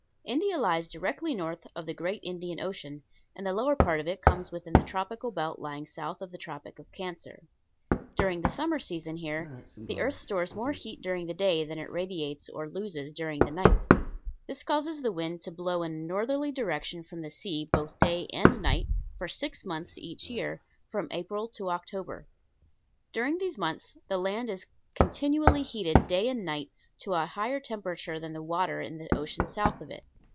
India lies directly north of the great Indian Ocean, and the lower part of it comes within the tropical belt lying south of the Tropic of Cancer. During the summer season here the earth stores more heat during the day than it radiates or loses during the night. This causes the wind to blow in a northerly direction from the sea both day and night for six months each year, from April to October. During these months the land is continually heated day and night to a higher temperature than the water in the ocean south of it.